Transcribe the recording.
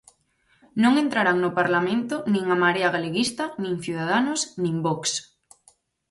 Non entrarán no Parlamento nin a Marea Galeguista, nin Ciudadanos, nin Vox.